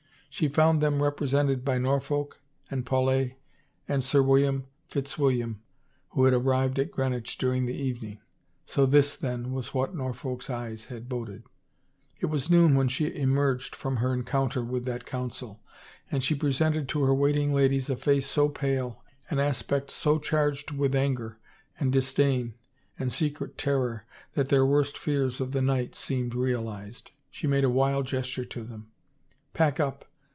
She found them represented by Norfolk and Paulet and Sir William Fitzwilliam who had arrived at Greenwich during the evening. So this, then, was what Norfolk's eyes had boded ! It was noon when she emerged from her encounter with that council and she presented to her waiting ladies a face so pale, an aspect so charged with anger and dis dain and secret terror, that their worst fears of the night seemed realized. She made a wild gesture to them. " Pack up.